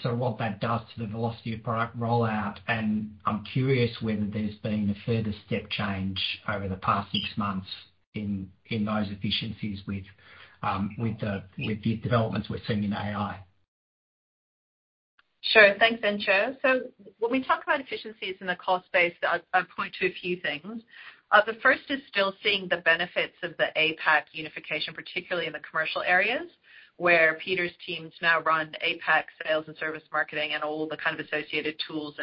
so what that does to the velocity of product rollout? And I'm curious whether there's been a further step change over the past six months in those efficiencies with the developments we're seeing in AI. Sure. Thanks, Entcho. So when we talk about efficiencies in the cost base, I'd point to a few things. The first is still seeing the benefits of the APAC unification, particularly in the commercial areas, where Peter's teams now run APAC sales and service marketing and all the kind of associated tools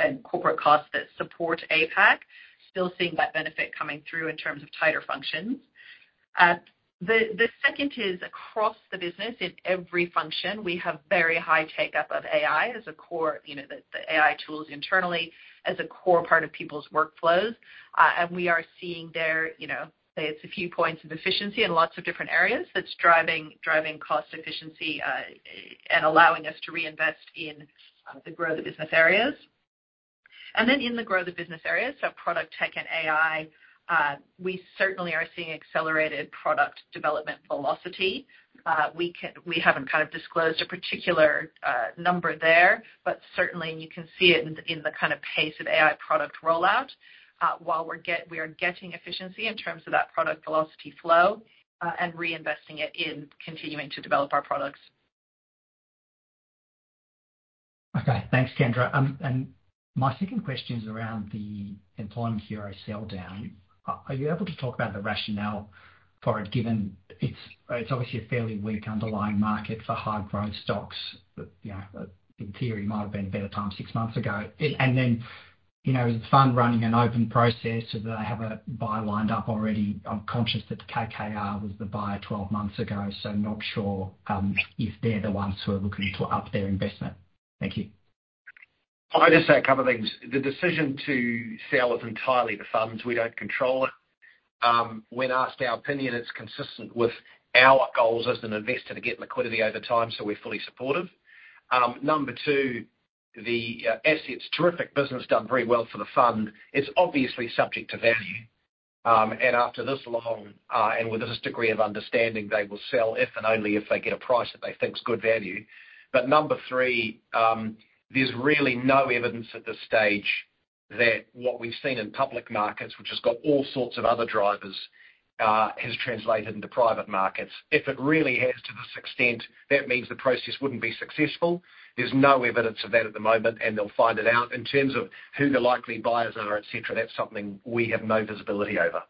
and corporate costs that support APAC. Still seeing that benefit coming through in terms of tighter functions. The second is, across the business, in every function, we have very high take-up of AI as a core, you know, the AI tools internally as a core part of people's workflows. And we are seeing there, you know, say, it's a few points of efficiency in lots of different areas that's driving cost efficiency, and allowing us to reinvest in the grow the business areas. In the grow the business areas, so product tech and AI, we certainly are seeing accelerated product development velocity. We haven't kind of disclosed a particular number there, but certainly you can see it in the kind of pace of AI product rollout, while we are getting efficiency in terms of that product velocity flow, and reinvesting it in continuing to develop our products. Okay. Thanks, Kendra. And my second question is around the Employment Hero sell down. Are you able to talk about the rationale for it, given it's obviously a fairly weak underlying market for high growth stocks, but, you know, in theory, might have been a better time six months ago. And then, you know, is the fund running an open process, so do they have a buyer lined up already? I'm conscious that KKR was the buyer twelve months ago, so not sure if they're the ones who are looking to up their investment. Thank you. I'll just say a couple of things. The decision to sell is entirely the fund's. We don't control it. When asked our opinion, it's consistent with our goals as an investor to get liquidity over time, so we're fully supportive. Number two, the asset's a terrific business, done very well for the fund. It's obviously subject to value. And after this long, and with this degree of understanding, they will sell if and only if they get a price that they think is good value. But number three, there's really no evidence at this stage that what we've seen in public markets, which has got all sorts of other drivers, has translated into private markets. If it really has, to this extent, that means the process wouldn't be successful. There's no evidence of that at the moment, and they'll find it out. In terms of who the likely buyers are, et cetera, that's something we have no visibility over.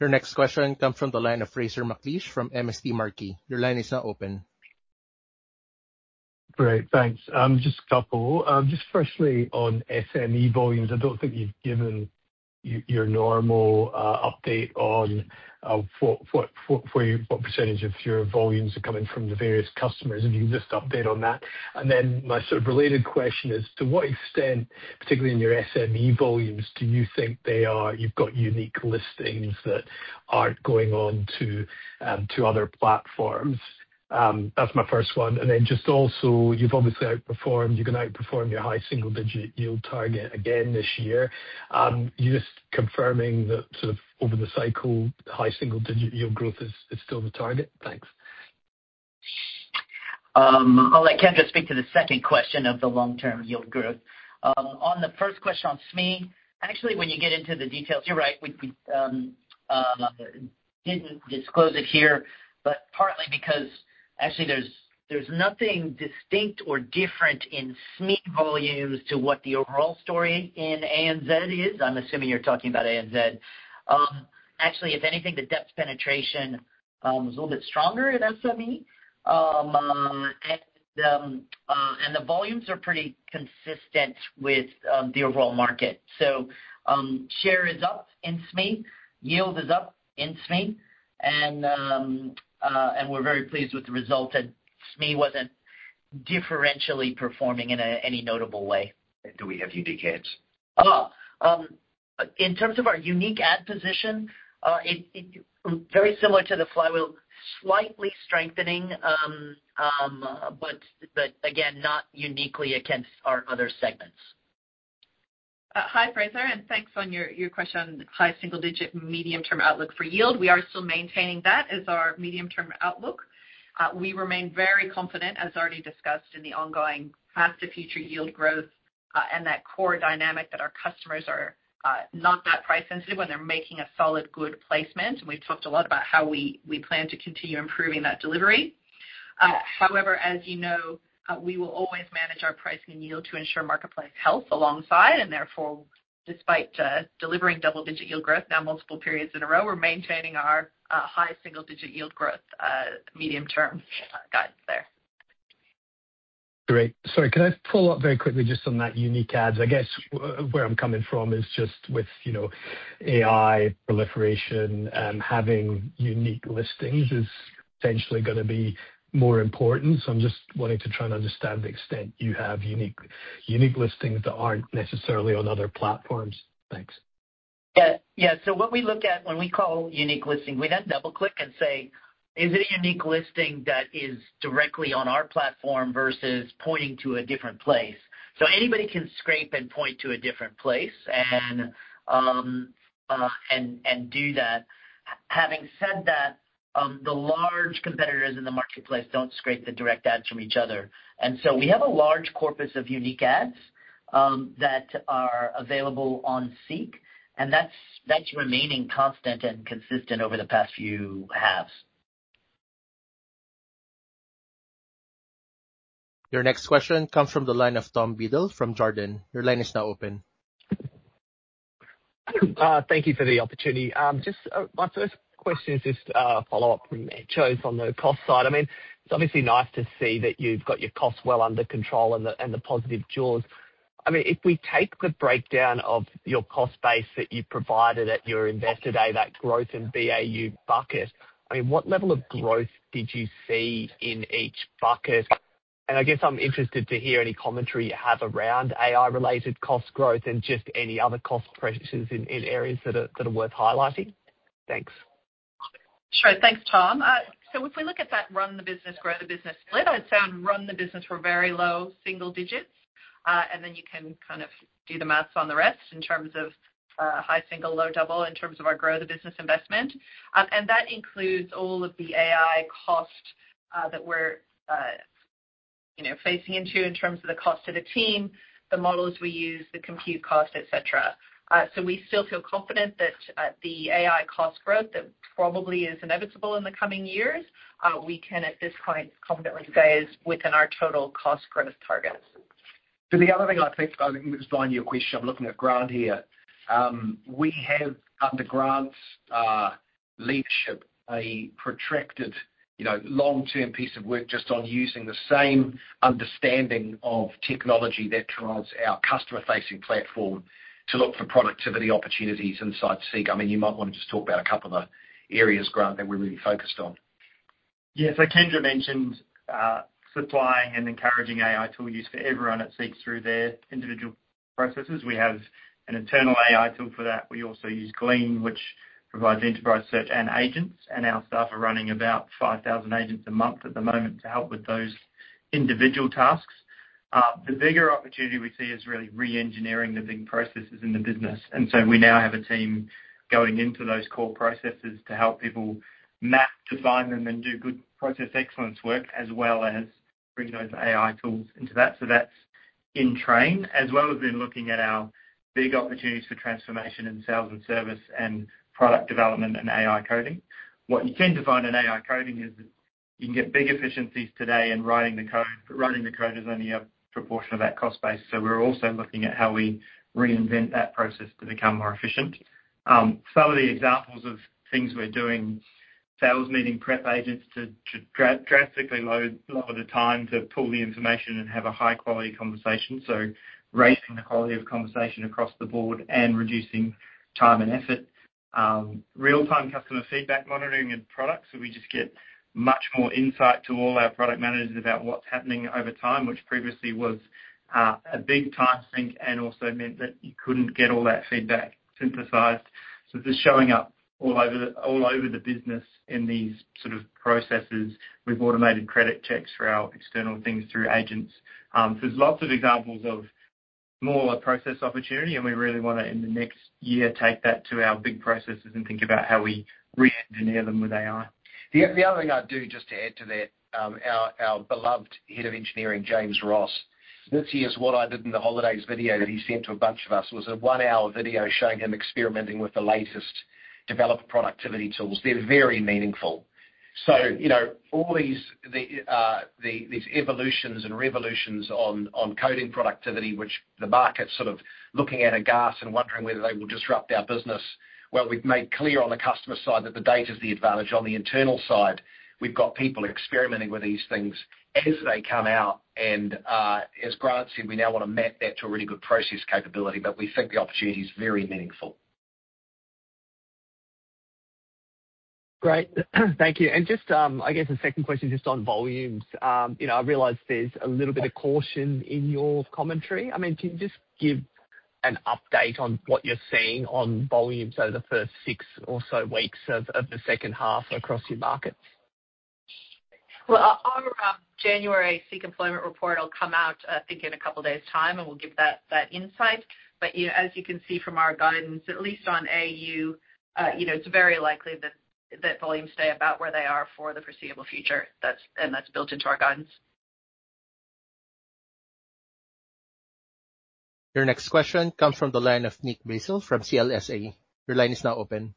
Your next question comes from the line of Fraser McLeish from MST Marquee. Your line is now open. Great, thanks. Just a couple. Just firstly, on SME volumes, I don't think you've given your normal update on for you what percentage of your volumes are coming from the various customers, if you can just update on that. And then my sort of related question is, to what extent, particularly in your SME volumes, do you think they are... You've got unique listings that aren't going on to other platforms? That's my first one. And then just also, you've obviously outperformed. You're gonna outperform your high single-digit yield target again this year. You're just confirming that sort of over the cycle, high single-digit yield growth is still the target? Thanks. I'll let Kendra speak to the second question of the long-term yield growth. On the first question on SME, actually, when you get into the details, you're right. We didn't disclose it here, but partly because actually there's nothing distinct or different in SME volumes to what the overall story in ANZ is. I'm assuming you're talking about ANZ. Actually, if anything, the Depth Penetration is a little bit stronger in SME. And the volumes are pretty consistent with the overall market. So, share is up in SME, yield is up in SME, and we're very pleased with the result, and SME wasn't differentially performing in any notable way. Do we have unique ads? Oh, in terms of our unique ad position, it's very similar to the flywheel, slightly strengthening, but again, not uniquely against our other segments. Hi, Fraser, and thanks on your question on high single-digit medium-term outlook for yield. We are still maintaining that as our medium-term outlook. We remain very confident, as already discussed, in the ongoing past to future yield growth, and that core dynamic that our customers are not that price sensitive when they're making a solid, good placement. And we've talked a lot about how we plan to continue improving that delivery. However, as you know, we will always manage our pricing and yield to ensure marketplace health alongside, and therefore, despite delivering double-digit yield growth now multiple periods in a row, we're maintaining our high single-digit yield growth medium-term guidance there. Great. Sorry, can I follow up very quickly just on that unique ads? I guess, where I'm coming from is just with, you know, AI proliferation and having unique listings is potentially gonna be more important. So I'm just wanting to try and understand the extent you have unique, unique listings that aren't necessarily on other platforms. Thanks. Yeah, yeah. So what we look at when we call unique listings, we then double-click and say, "Is it a unique listing that is directly on our platform versus pointing to a different place?" So anybody can scrape and point to a different place and do that. Having said that, the large competitors in the marketplace don't scrape the direct ads from each other. And so we have a large corpus of unique ads that are available on SEEK, and that's remaining constant and consistent over the past few halves. Your next question comes from the line of Tom Beadle from Jarden. Your line is now open. Thank you for the opportunity. Just, my first question is just, a follow-up from Entcho on the cost side. I mean, it's obviously nice to see that you've got your costs well under control and the positive jaws. I mean, if we take the breakdown of your cost base that you provided at your Investor Day, that growth in BAU bucket, I mean, what level of growth did you see in each bucket? And I guess I'm interested to hear any commentary you have around AI-related cost growth and just any other cost pressures in areas that are worth highlighting. Thanks. Sure. Thanks, Tom. So if we look at that run the business, grow the business split, I'd say on run the business, we're very low single digits. And then you can kind of do the math on the rest in terms of high single, low double, in terms of our grow the business investment. And that includes all of the AI cost that we're, you know, facing into in terms of the cost of the team, the models we use, the compute cost, et cetera. So we still feel confident that the AI cost growth, that probably is inevitable in the coming years, we can, at this point, confidently say is within our total cost growth targets. So the other thing, I think, I think is behind your question. I'm looking at Grant here. We have, under Grant's leadership, a protracted, you know, long-term piece of work just on using the same understanding of technology that drives our customer-facing platform to look for productivity opportunities inside SEEK. I mean, you might want to just talk about a couple of the areas, Grant, that we're really focused on. Yeah. So Kendra mentioned supplying and encouraging AI tool use for everyone at SEEK through their individual processes. We have an internal AI tool for that. We also use Glean, which provides enterprise search and agents, and our staff are running about 5,000 agents a month at the moment to help with those individual tasks. The bigger opportunity we see is really reengineering the big processes in the business. And so we now have a team going into those core processes to help people map, design them, and do good process excellence work, as well as bring those AI tools into that. So that's in train, as well as we're looking at our big opportunities for transformation in sales and service and product development and AI coding. What you tend to find in AI coding is that you can get big efficiencies today in writing the code, but writing the code is only a proportion of that cost base. So we're also looking at how we reinvent that process to become more efficient. Some of the examples of things we're doing, sales meeting prep agents to drastically lower the time to pull the information and have a high-quality conversation. So raising the quality of conversation across the board and reducing time and effort. Real-time customer feedback, monitoring and product. So we just get much more insight to all our product managers about what's happening over time, which previously was a big time sink and also meant that you couldn't get all that feedback synthesized. So just showing up all over the business in these sort of processes. We've automated credit checks for our external things through agents. So there's lots of examples of-... more a process opportunity, and we really want to, in the next year, take that to our big processes and think about how we re-engineer them with AI. The other thing I'd do, just to add to that, our beloved head of engineering, James Ross. This year's what I did in the holidays video that he sent to a bunch of us was a one-hour video showing him experimenting with the latest developer productivity tools. They're very meaningful. So, you know, all these these evolutions and revolutions on coding productivity, which the market's sort of looking at aghast and wondering whether they will disrupt our business, well, we've made clear on the customer side that the data is the advantage. On the internal side, we've got people experimenting with these things as they come out, and as Grant said, we now want to map that to a really good process capability, but we think the opportunity is very meaningful. Great. Thank you. And just, I guess the second question, just on volumes. You know, I realize there's a little bit of caution in your commentary. I mean, can you just give an update on what you're seeing on volumes over the first six or so weeks of the second half across your markets? Well, our January SEEK Employment Report will come out, I think in a couple of days time, and we'll give that insight. But, you know, as you can see from our guidance, at least on AU, you know, it's very likely that volumes stay about where they are for the foreseeable future. That's and that's built into our guidance. Your next question comes from the line of Nick Basile from CLSA. Your line is now open.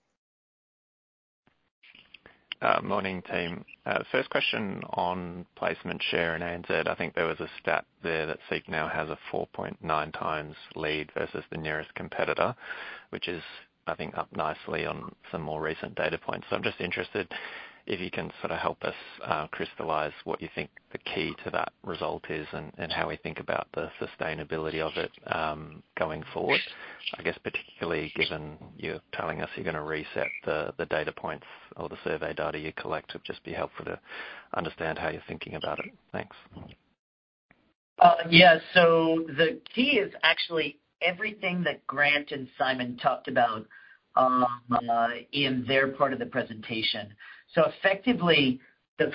Morning, team. First question, on placement share in ANZ, I think there was a stat there that SEEK now has a 4.9 times lead versus the nearest competitor, which is, I think, up nicely on some more recent data points. So I'm just interested if you can sort of help us, crystallize what you think the key to that result is and, and how we think about the sustainability of it, going forward. I guess, particularly given you're telling us you're gonna reset the, the data points or the survey data you collect, it'd just be helpful to understand how you're thinking about it. Thanks. Yeah. So the key is actually everything that Grant and Simon talked about in their part of the presentation. So effectively, the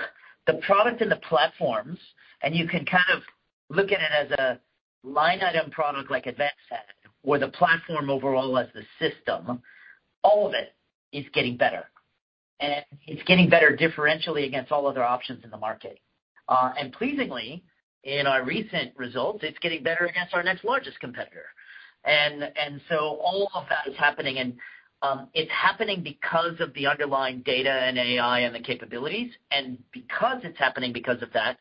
product and the platforms, and you can kind of look at it as a line item product like Advanced Ad, where the platform overall as the system, all of it is getting better. And it's getting better differentially against all other options in the market. And pleasingly, in our recent results, it's getting better against our next largest competitor. And so all of that is happening, and it's happening because of the underlying data and AI and the capabilities. And because it's happening because of that,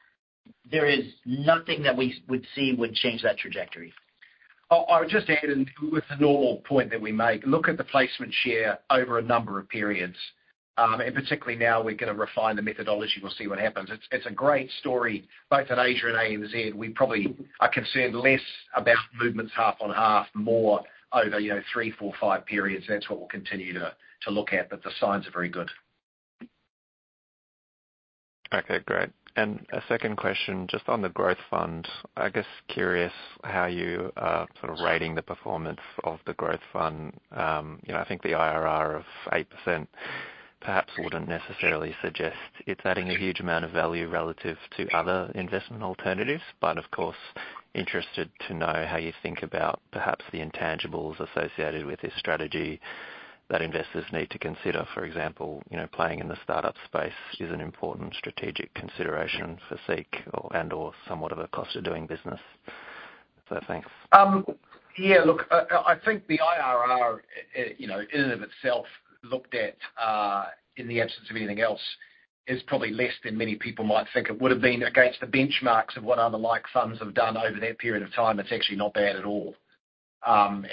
there is nothing that we would see would change that trajectory. I would just add, and it's the normal point that we make, look at the placement share over a number of periods. And particularly now, we're gonna refine the methodology. We'll see what happens. It's a great story, both in Asia and ANZ. We probably are concerned less about movements half on half, more over, you know, three, four, five periods. That's what we'll continue to look at, but the signs are very good. Okay, great. And a second question, just on the growth fund. I guess, curious how you are sort of rating the performance of the growth fund. You know, I think the IRR of 8% perhaps wouldn't necessarily suggest it's adding a huge amount of value relative to other investment alternatives, but of course, interested to know how you think about perhaps the intangibles associated with this strategy that investors need to consider. For example, you know, playing in the start-up space is an important strategic consideration for SEEK or, and/or somewhat of a cost of doing business. So thanks. Yeah, look, I think the IRR, you know, in and of itself, looked at in the absence of anything else, is probably less than many people might think. It would have been against the benchmarks of what other like funds have done over that period of time. It's actually not bad at all. And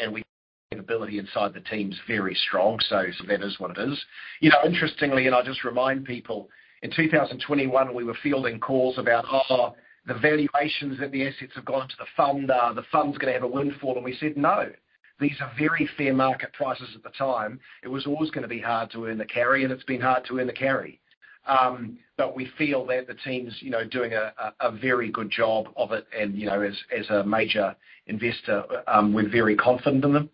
capability inside the team is very strong, so that is what it is. You know, interestingly, and I just remind people, in 2021, we were fielding calls about, oh, the valuations that the assets have gone to the fund, the fund's gonna have a windfall, and we said, "No." These are very fair market prices at the time. It was always gonna be hard to earn the carry, and it's been hard to earn the carry. But we feel that the team's, you know, doing a very good job of it, and, you know, as a major investor, we're very confident in them.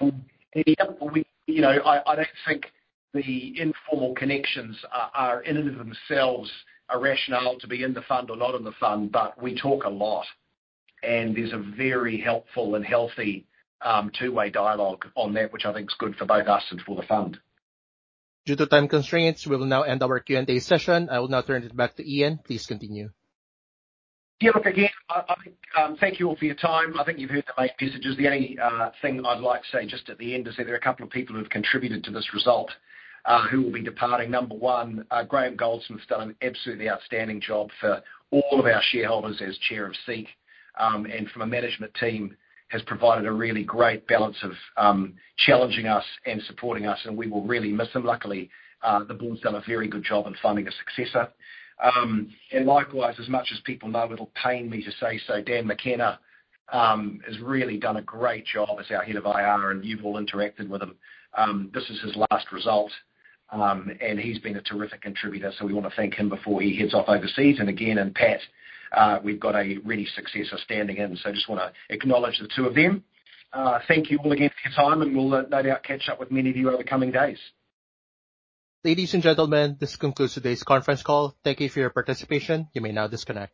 And, yeah, we, you know, I don't think the informal connections are in and of themselves a rationale to be in the fund or not in the fund, but we talk a lot, and there's a very helpful and healthy two-way dialogue on that, which I think is good for both us and for the fund. Due to time constraints, we will now end our Q&A session. I will now turn it back to Ian. Please continue. Yeah, look, again, thank you all for your time. I think you've heard the main messages. The only thing I'd like to say just at the end is that there are a couple of people who have contributed to this result, who will be departing. Number one, Graham Goldsmith has done an absolutely outstanding job for all of our shareholders as Chair of SEEK, and from a management team, has provided a really great balance of challenging us and supporting us, and we will really miss him. Luckily, the board's done a very good job in finding a successor. And likewise, as much as people know, it'll pain me to say so, Dan McKenna has really done a great job as our head of IR, and you've all interacted with him. This is his last result, and he's been a terrific contributor, so we want to thank him before he heads off overseas. And Pat, we've got a ready successor standing in, so I just want to acknowledge the two of them. Thank you all again for your time, and we'll no doubt catch up with many of you over the coming days. Ladies and gentlemen, this concludes today's conference call. Thank you for your participation. You may now disconnect.